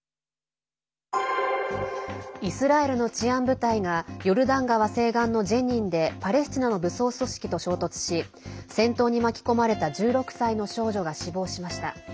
イスラエルの治安部隊がヨルダン川西岸のジェニンでパレスチナの武装組織と衝突し戦闘に巻き込まれた１６歳の少女が死亡しました。